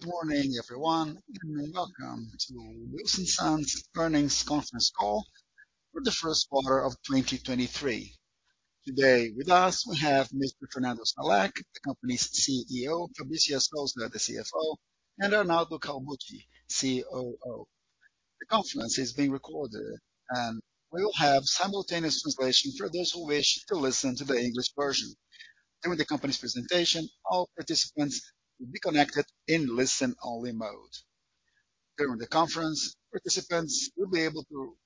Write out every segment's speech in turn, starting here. Good morning everyone, welcome to Wilson Sons Earnings Conference Call for the first quarter of 2023. Today with us we have Mr. Fernando Salek, the company's CEO, Fabrícia Souza, the CFO, and Arnaldo Calbucci, COO. The conference is being recorded, we will have simultaneous translation for those who wish to listen to the English version. During the company's presentation, all participants will be connected in listen-only mode. During the conference, participants will be able to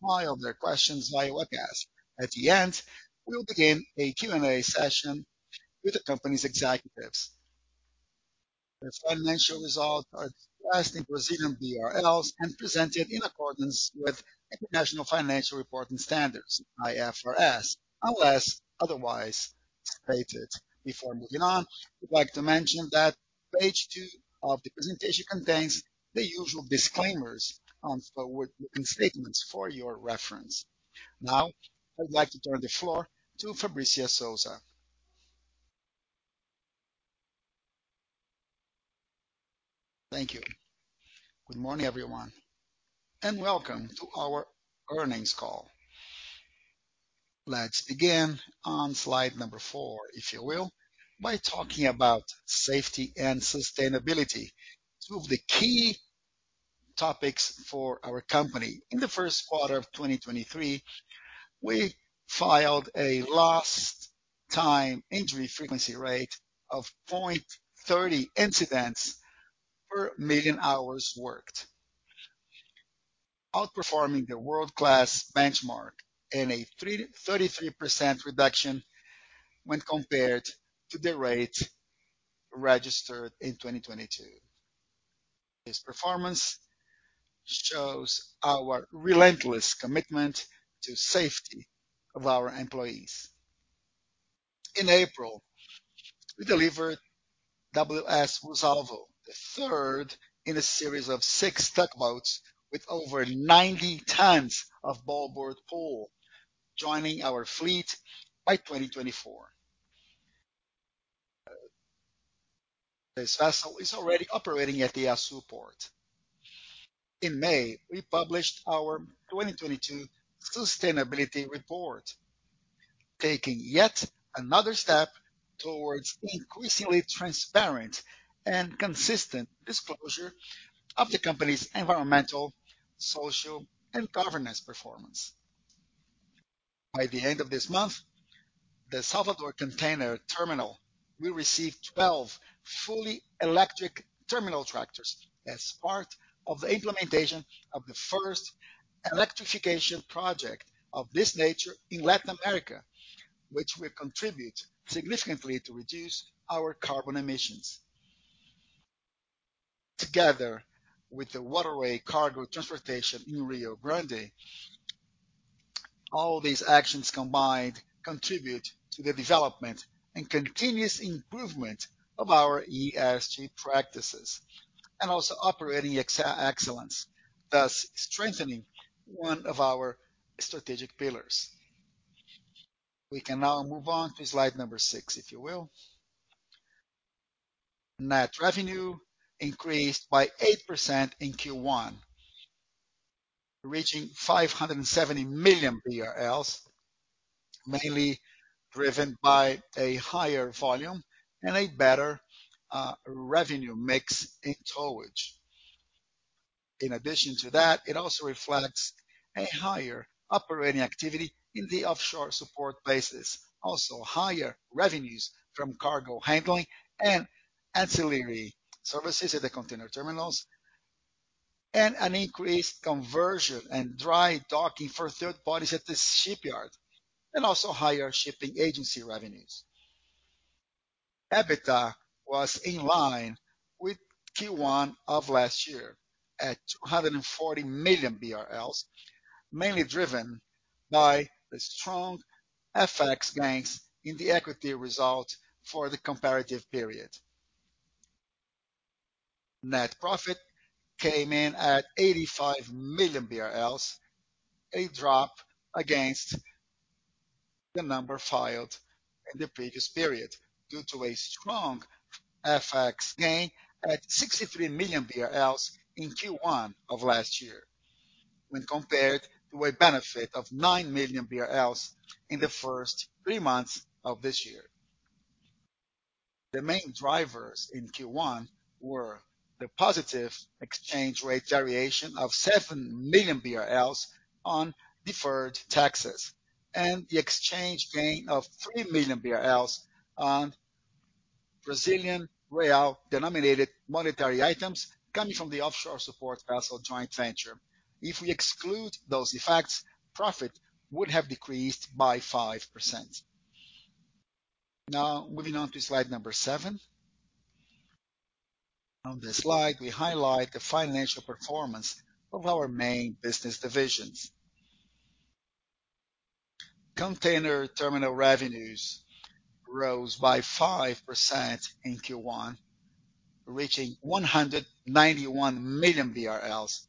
smile their questions via webcast. At the end, we will begin a Q&A session with the company's executives. The financial results are expressed in Brazilian BRLs and presented in accordance with international financial reporting standards, IFRS, unless otherwise stated. Before moving on, I'd like to mention that Page 2 of the presentation contains the usual disclaimers on forward-looking statements for your reference. I'd like to turn the floor to Fabrícia Souza. Thank you. Good morning, everyone, welcome to our earnings call. Let's begin on slide number four, if you will, by talking about safety and sustainability, two of the key topics for our company. In the first quarter of 2023, we filed a Lost Time Injury Frequency Rate of 0.30 incidents per million hours worked, outperforming the world-class benchmark in a 33% reduction when compared to the rate registered in 2022. This performance shows our relentless commitment to safety of our employees. In April, we delivered WS Musashi, the third in a series of six tugboats with over 90 tons of bollard pull, joining our fleet by 2024. This vessel is already operating at the Açu port. In May, we published our 2022 sustainability report, taking yet another step towards increasingly transparent and consistent disclosure of the company's environmental, social, and governance performance. By the end of this month, the Salvador Container Terminal will receive 12 fully electric terminal tractors as part of the implementation of the first electrification project of this nature in Latin America, which will contribute significantly to reduce our carbon emissions. Together with the waterway cargo transportation in Rio Grande, all these actions combined contribute to the development and continuous improvement of our ESG practices and also operating excellence, thus strengthening one of our strategic pillars. We can now move on to slide number six, if you will. Net revenue increased by 8% in Q1, reaching BRL 570 million, mainly driven by a higher volume and a better revenue mix in towage. In addition to that, it also reflects a higher operating activity in the offshore support bases, also higher revenues from cargo handling and ancillary services at the container terminals, and an increased conversion and dry docking for third parties at the shipyard, and also higher shipping agency revenues. EBITDA was in line with Q1 of last year at 240 million BRL, mainly driven by the strong FX gains in the equity result for the comparative period. Net profit came in at 85 million BRL, a drop against the number filed in the previous period due to a strong FX gain at 63 million BRL in Q1 of last year when compared to a benefit of 9 million BRL in the first three months of this year. The main drivers in Q1 were the positive exchange rate variation of 7 million BRL on deferred taxes and the exchange gain of 3 million BRL on Brazilian real denominated monetary items coming from the offshore support vessel joint venture. If we exclude those effects, profit would have decreased by 5%. Moving on to Slide 7. On this slide, we highlight the financial performance of our main business divisions. Container terminal revenues rose by 5% in Q1, reaching 191 million BRL,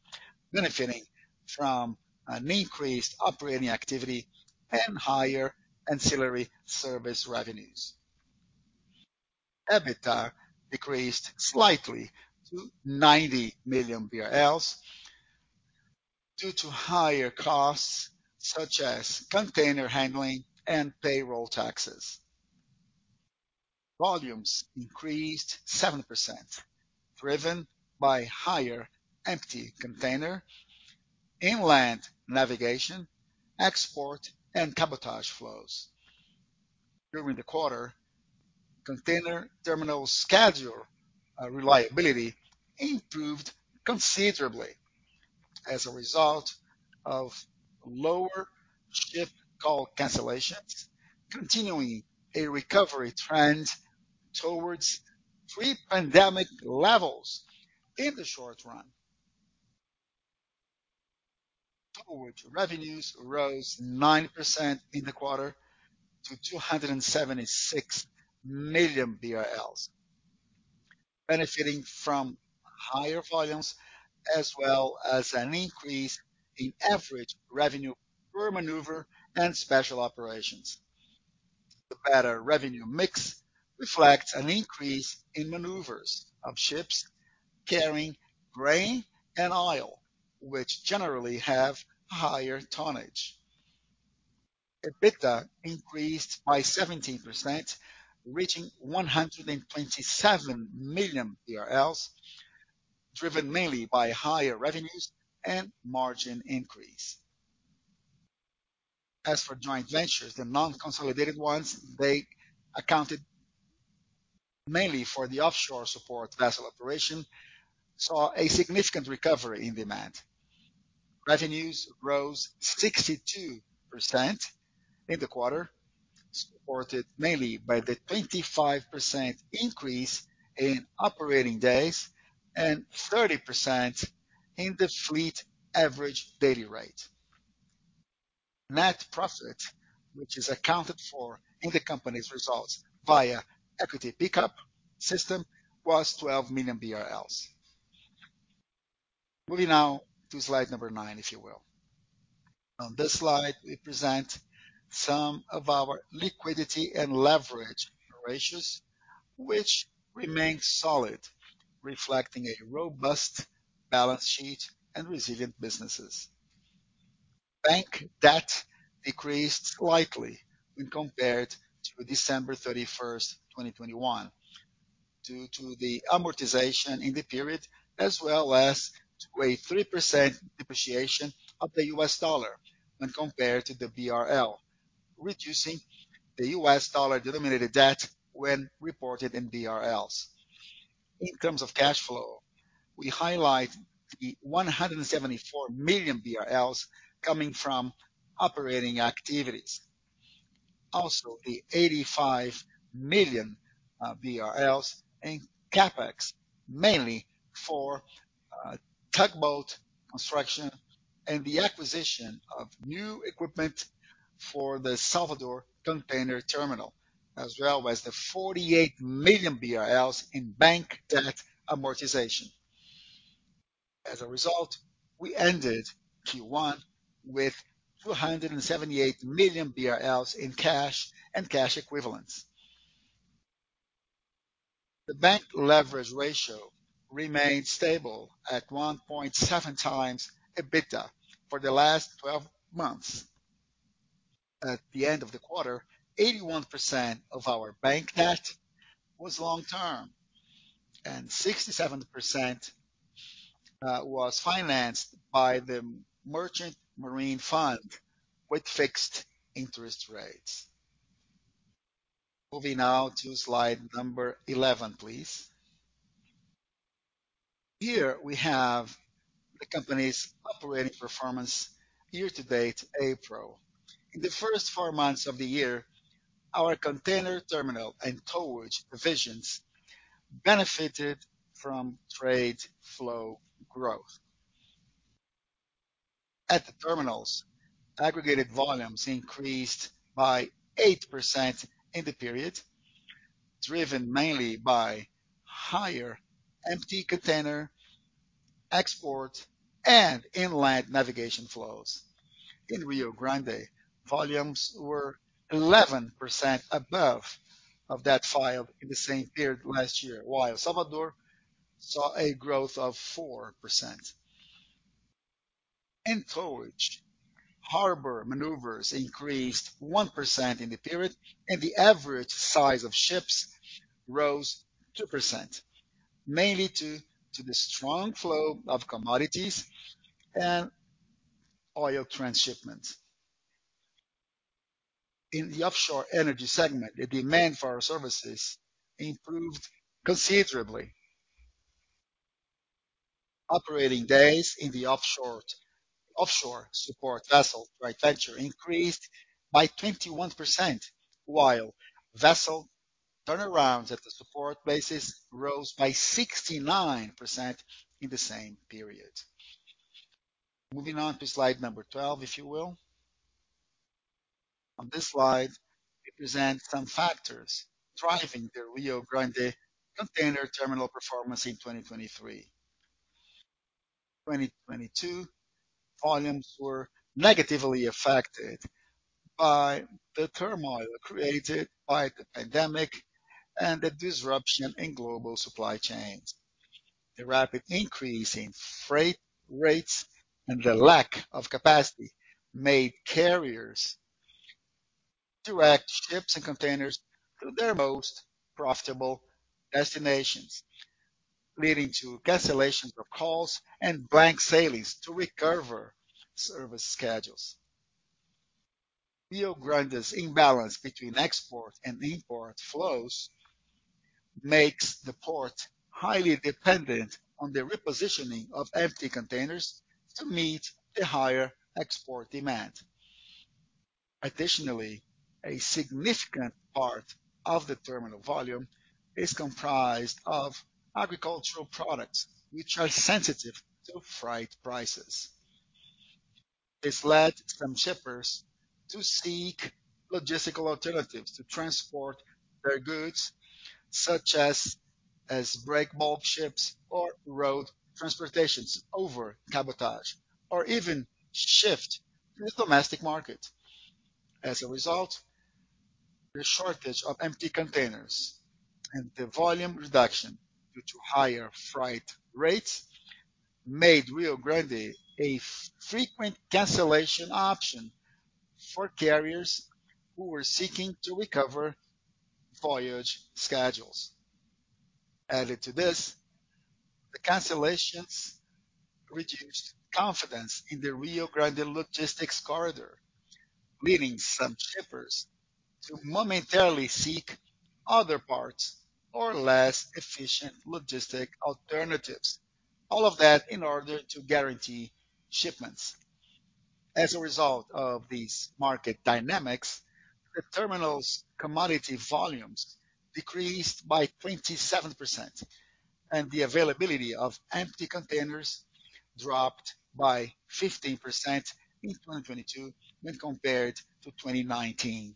benefiting from an increased operating activity and higher ancillary service revenues. EBITDA decreased slightly to 90 million BRL due to higher costs such as container handling and payroll taxes. Volumes increased 7%, driven by higher empty container, inland navigation, export, and cabotage flows. During the quarter, container terminal schedule reliability improved considerably as a result of lower shift call cancellations, continuing a recovery trend towards pre-pandemic levels in the short run. Towage revenues rose 9% in the quarter to 276 million BRL, benefiting from higher volumes as well as an increase in average revenue per maneuver and special operations. The better revenue mix reflects an increase in maneuvers of ships carrying grain and oil, which generally have higher tonnage. EBITDA increased by 17%, reaching 127 million, driven mainly by higher revenues and margin increase. As for joint ventures, the non-consolidated ones, they accounted mainly for the offshore support vessel operation, saw a significant recovery in demand. Revenues rose 62% in the quarter, supported mainly by the 25% increase in operating days and 30% in the fleet average daily rate. Net profit, which is accounted for in the company's results via equity pickup system, was 12 million BRL. Moving now to slide number nine, if you will. On this slide, we present some of our liquidity and leverage ratios, which remain solid, reflecting a robust balance sheet and resilient businesses. Bank debt decreased slightly when compared to December 31, 2021 due to the amortization in the period, as well as to a 3% depreciation of the U.S. dollar when compared to the BRL, reducing the U.S. dollar-denominated debt when reported in BRL. In terms of cash flow, we highlight the 174 million BRL coming from operating activities. Also, the 85 million BRL in CapEx, mainly for tugboat construction and the acquisition of new equipment for the Salvador container terminal, as well as the 48 million BRL in bank debt amortization. We ended Q1 with 278 million BRL in cash and cash equivalents. The bank leverage ratio remained stable at 1.7x EBITDA for the last twelve months. At the end of the quarter, 81% of our bank debt was long-term, and 67% was financed by the Merchant Marine Fund with fixed interest rates. Moving now to slide number 11, please. Here we have the company's operating performance year-to-date, April. In the first four months of the year, our container terminal and towage provisions benefited from trade flow growth. At the terminals, aggregated volumes increased by 8% in the period, driven mainly by higher empty container exports and inland navigation flows. In Rio Grande, volumes were 11% above of that filed in the same period last year, while Salvador saw a growth of 4%. In towage, harbor maneuvers increased 1% in the period, and the average size of ships rose 2%, mainly due to the strong flow of commodities and oil transshipments. In the offshore energy segment, the demand for our services improved considerably. Operating days in the offshore support vessel joint venture increased by 21%, while vessel turnarounds at the support bases rose by 69% in the same period. Moving on to slide number 12, if you will. On this slide, we present some factors driving the Rio Grande container terminal performance in 2023. 2022, volumes were negatively affected by the turmoil created by the pandemic and the disruption in global supply chains. The rapid increase in freight rates and the lack of capacity made carriers to act ships and containers to their most profitable destinations, leading to cancellations of calls and blank sailings to recover service schedules. Rio Grande's imbalance between export and import flows makes the port highly dependent on the repositioning of empty containers to meet the higher export demand. A significant part of the terminal volume is comprised of agricultural products, which are sensitive to freight prices. This led some shippers to seek logistical alternatives to transport their goods, such as break bulk ships or road transportations over cabotage, or even shift to the domestic market. The shortage of empty containers and the volume reduction due to higher freight rates made Rio Grande a frequent cancellation option for carriers who were seeking to recover voyage schedules. Added to this, the cancellations reduced confidence in the Rio Grande logistics corridor, leading some shippers to momentarily seek other ports or less efficient logistics alternatives. All of that in order to guarantee shipments. As a result of these market dynamics, the terminal's commodity volumes decreased by 27%, and the availability of empty containers dropped by 15% in 2022 when compared to 2019.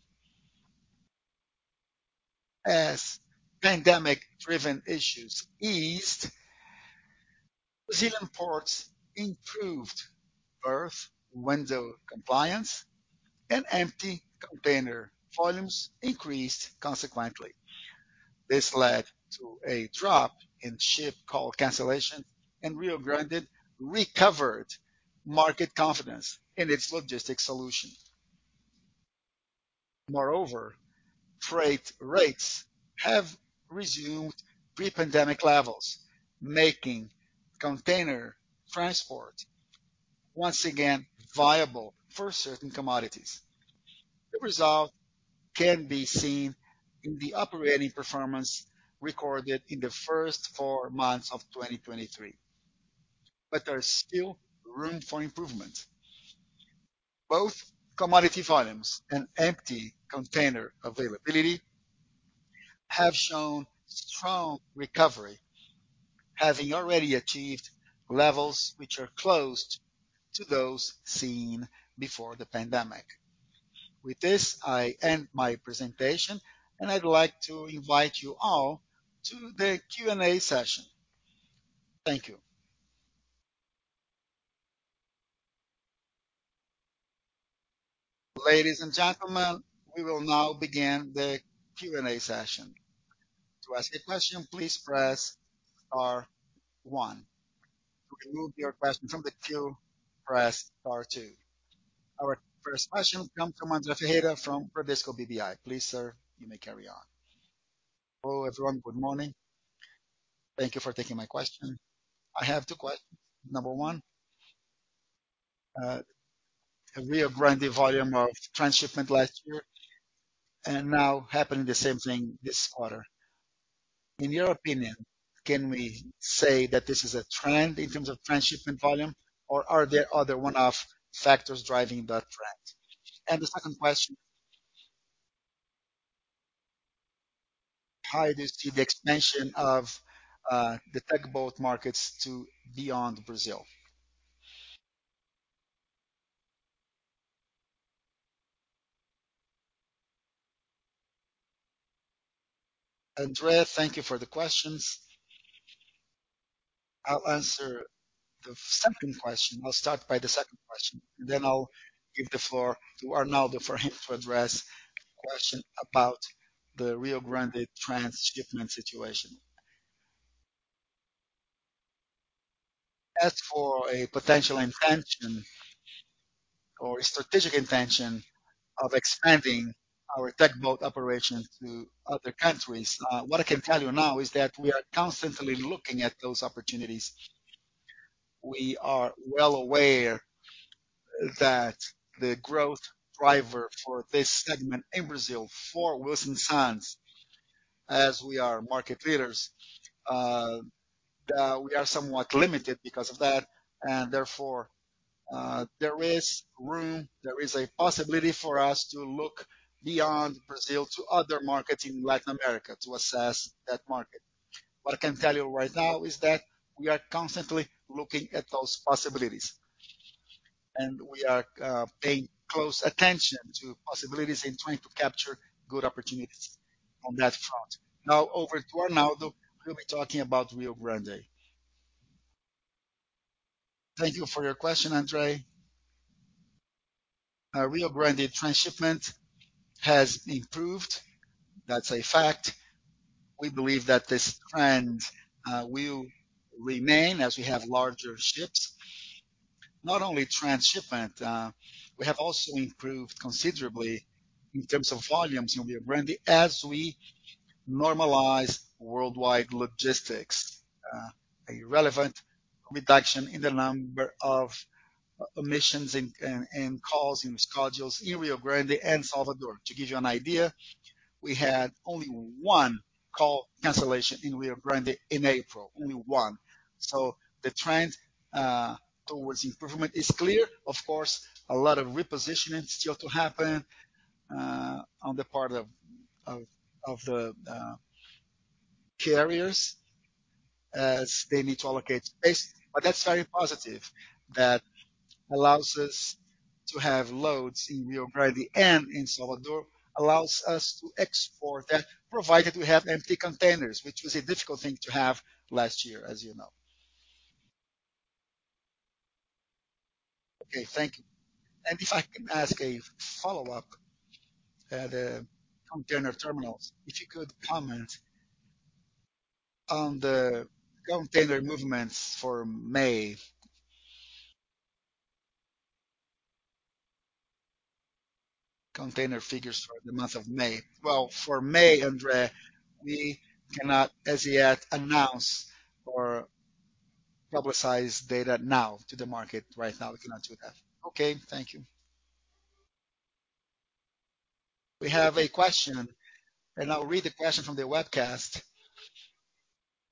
As pandemic-driven issues eased, Brazilian ports improved berth window compliance and empty container volumes increased consequently. This led to a drop in ship call cancellation, and Rio Grande recovered market confidence in its logistics solution. Moreover, freight rates have resumed pre-pandemic levels, making container transport once again viable for certain commodities. The result can be seen in the operating performance recorded in the first four months of 2023. There is still room for improvement. Both commodity volumes and empty container availability have shown strong recovery, having already achieved levels which are close to those seen before the pandemic. With this, I end my presentation, and I'd like to invite you all to the Q&A session. Thank you. Ladies and gentlemen, we will now begin the Q&A session. To ask a question, please press star one. To remove your question from the queue, press star two. Our first question comes from André Ferreira from Bradesco BBI. Please, sir, you may carry on. Hello, everyone. Good morning. Thank you for taking my question. I have two number one, Rio Grande volume of transshipment last year and now happening the same thing this quarter. In your opinion, can we say that this is a trend in terms of transshipment volume, or are there other one-off factors driving that trend? The second question, how it is to the expansion of the tugboat markets to beyond Brazil? André, thank you for the questions. I'll answer the second question. I'll start by the second question, then I'll give the floor to Arnaldo for him to address question about the Rio Grande transshipment situation. As for a potential intention or a strategic intention of expanding our tugboat operation to other countries, what I can tell you now is that we are constantly looking at those opportunities. We are well aware that the growth driver for this segment in Brazil, for Wilson Sons, as we are market leaders, we are somewhat limited because of that. Therefore, there is room, there is a possibility for us to look beyond Brazil to other markets in Latin America to assess that market. What I can tell you right now is that we are constantly looking at those possibilities, and we are paying close attention to possibilities and trying to capture good opportunities on that front. Over to Arnaldo, who'll be talking about Rio Grande. Thank you for your question, André. Rio Grande transshipment has improved. That's a fact. We believe that this trend will remain as we have larger ships. Not only transshipment, we have also improved considerably in terms of volumes in Rio Grande as we normalize worldwide logistics. A relevant reduction in the number of emissions and calls and schedules in Rio Grande and Salvador. To give you an idea, we had only one call cancellation in Rio Grande in April, only one. The trend towards improvement is clear. Of course, a lot of repositioning still to happen on the part of the carriers as they need to allocate space. That's very positive. That allows us to have loads in Rio Grande and in Salvador, allows us to export that, provided we have empty containers, which was a difficult thing to have last year, as you know. Okay. Thank you. If I can ask a follow-up at container terminals, if you could comment on the container movements for May. Container figures for the month of May. For May, André, we cannot as yet announce or publicize data now to the market right now. We cannot do that. Okay, thank you. We have a question. I'll read the question from the webcast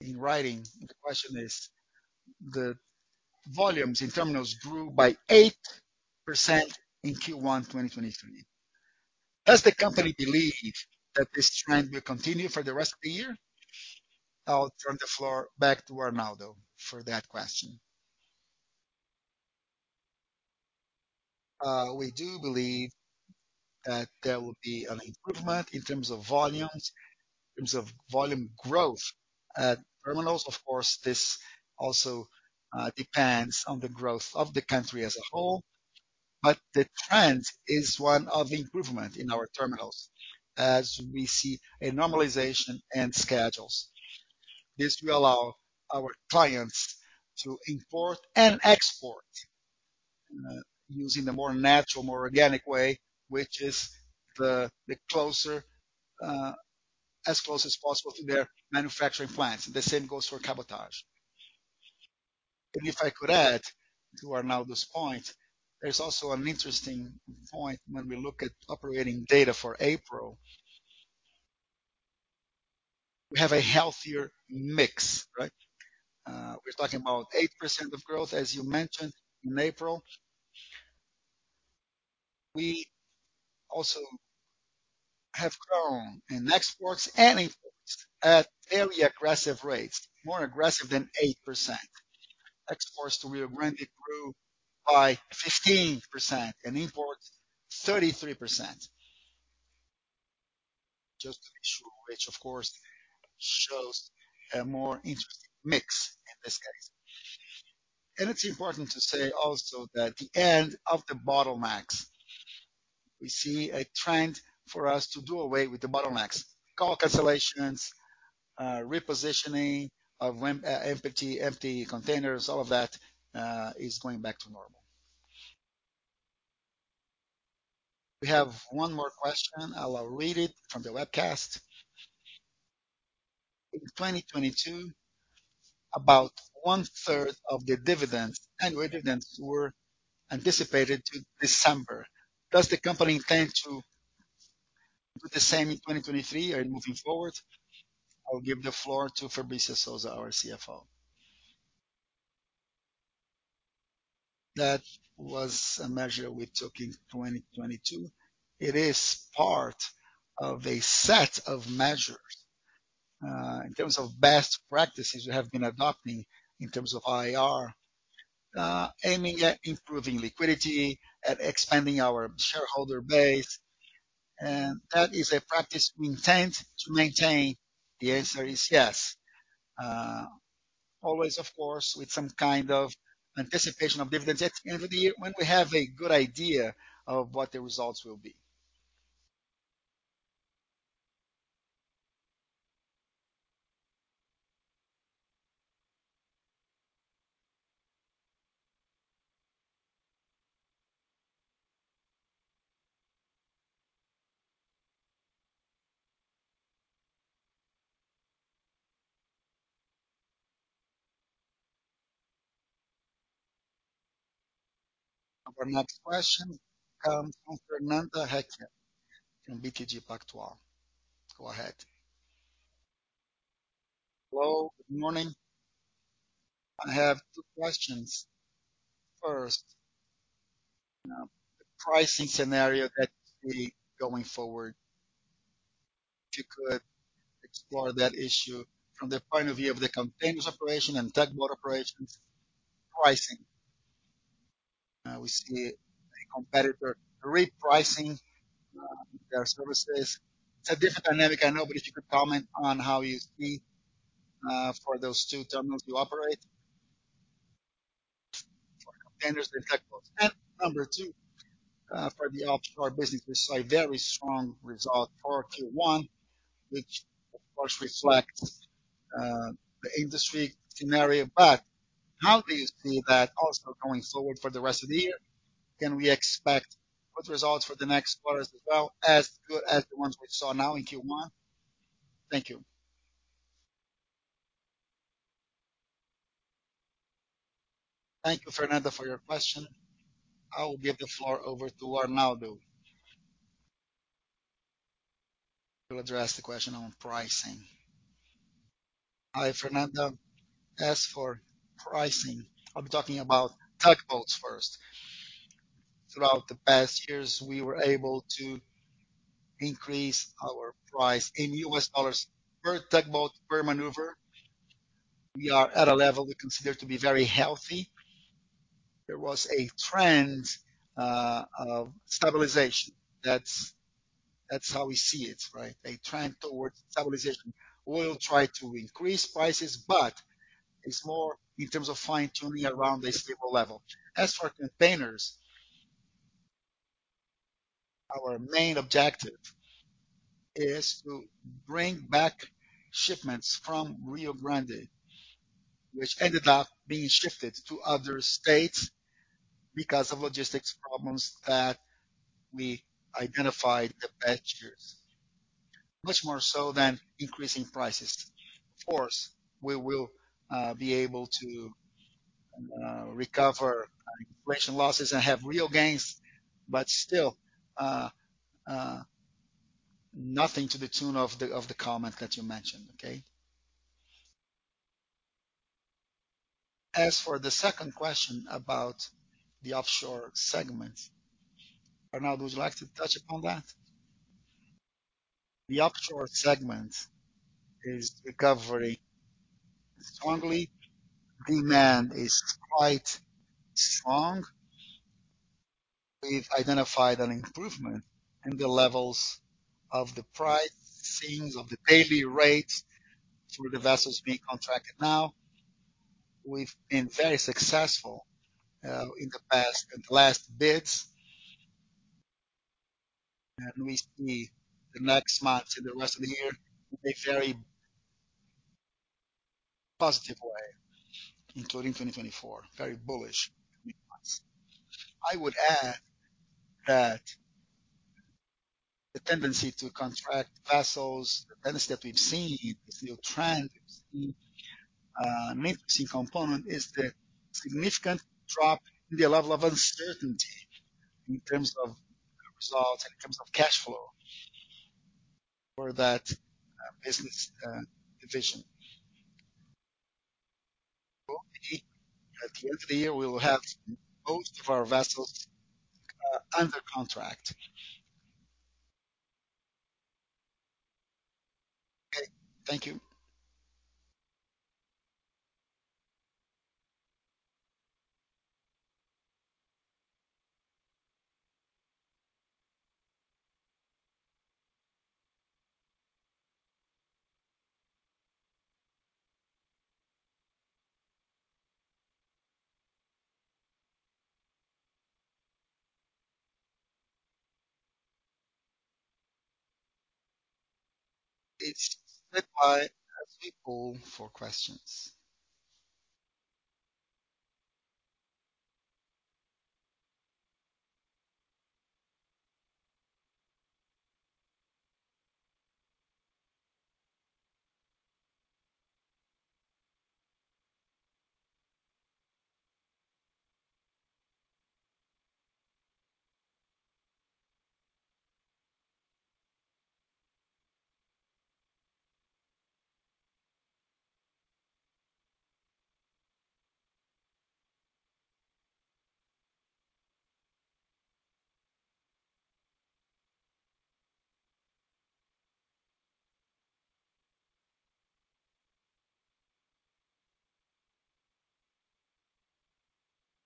in writing. The question is, the volumes in terminals grew by 8% in Q1 2023. Does the company believe that this trend will continue for the rest of the year? I'll turn the floor back to Arnaldo for that question. We do believe that there will be an improvement in terms of volumes, in terms of volume growth at terminals. Of course, this also depends on the growth of the country as a whole. The trend is one of improvement in our terminals as we see a normalization and schedules. This will allow our clients to import and export, using the more natural, more organic way, which is the closer, as close as possible to their manufacturing plants. The same goes for cabotage. If I could add to Arnaldo's point, there's also an interesting point when we look at operating data for April. We have a healthier mix, right? We're talking about 8% of growth, as you mentioned, in April. We also have grown in exports and imports at fairly aggressive rates, more aggressive than 8%. Exports to Rio Grande grew by 15% and imports 33%. Just to be sure, which of course shows a more interesting mix in this case. It's important to say also that the end of the bottlenecks, we see a trend for us to do away with the bottlenecks. Call cancellations, repositioning of empty containers, all of that is going back to normal. We have one more question. I'll read it from the webcast. In 2022, about one-third of the dividends, annual dividends, were anticipated to December. Does the company intend to do the same in 2023 and moving forward? I'll give the floor to Fabrícia Souza, our CFO. That was a measure we took in 2022. It is part of a set of measures, in terms of best practices we have been adopting in terms of IR, aiming at improving liquidity, at expanding our shareholder base, and that is a practice we intend to maintain. The answer is yes. Always of course, with some kind of anticipation of dividends at the end of the year when we have a good idea of what the results will be. Our next question comes from Fernanda Recchia from BTG Pactual. Go ahead. Hello, good morning. I have two questions. First-Pricing scenario that we going forward, if you could explore that issue from the point of view of the containers operation and tugboat operations pricing. We see a competitor repricing, their services. It's a different dynamic, I know, but if you could comment on how you see for those two terminals you operate for containers and tugboats. Number two, for the offshore business, we saw a very strong result for Q1, which of course reflects the industry scenario, but how do you see that also going forward for the rest of the year? Can we expect good results for the next quarters as well as good as the ones we saw now in Q1? Thank you, Fernanda, for your question. I will give the floor over to Arnaldo. He'll address the question on pricing. Hi, Fernanda. As for pricing, I'll be talking about tugboats first. Throughout the past years, we were able to increase our price in U.S. dollars per tugboat, per maneuver. We are at a level we consider to be very healthy. There was a trend of stabilization. That's how we see it, right? A trend towards stabilization. We will try to increase prices, but it's more in terms of fine-tuning around a stable level. As for containers, our main objective is to bring back shipments from Rio Grande, which ended up being shifted to other states because of logistics problems that we identified the past years, much more so than increasing prices. Of course, we will be able to recover inflation losses and have real gains, but still, nothing to the tune of the comment that you mentioned, okay? As for the second question about the offshore segment, Arnaldo would like to touch upon that. The offshore segment is recovering strongly. Demand is quite strong. We've identified an improvement in the levels of the price ceilings of the daily rates through the vessels being contracted now. We've been very successful in the past, in the last bids. We see the next months and the rest of the year in a very positive way, including 2024, very bullish. I would add that the tendency to contract vessels, the benefit we've seen in this new trend, we've seen main key component is the significant drop in the level of uncertainty in terms of results, in terms of cash flow for that business division. Hopefully, at the end of the year, we will have most of our vessels under contract. Okay. Thank you. It's stood by as we poll for questions.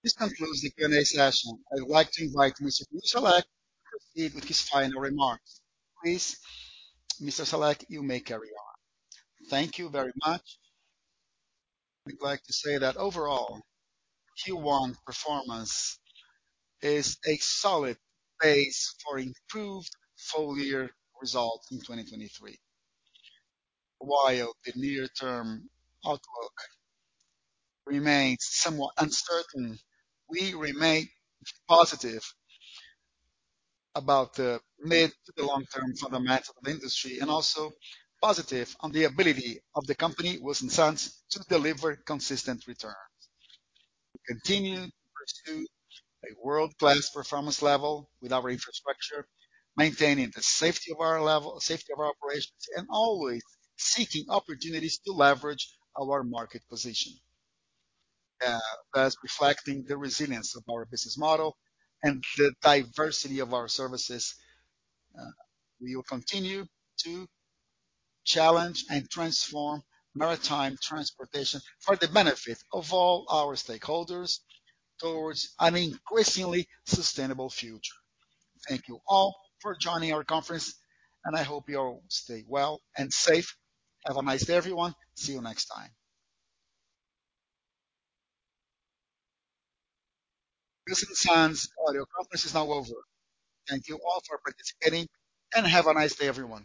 This concludes the Q&A session. I'd like to invite Mr. Fernando Salek to proceed with his final remarks. Please, Mr. Salek, you may carry on. Thank you very much. We'd like to say that overall Q1 performance is a solid base for improved full-year results in 2023. While the near-term outlook remains somewhat uncertain, we remain positive about the mid- to the long-term fundamentals of the industry and also positive on the ability of the company Wilson Sons to deliver consistent returns. We continue to pursue a world-class performance level with our infrastructure, maintaining the safety of our operations, and always seeking opportunities to leverage our market position, thus reflecting the resilience of our business model and the diversity of our services. We will continue to challenge and transform maritime transportation for the benefit of all our stakeholders towards an increasingly sustainable future. Thank you all for joining our conference, I hope you all stay well and safe. Have a nice day, everyone. See you next time. Wilson Sons audio conference is now over. Thank you all for participating, have a nice day, everyone.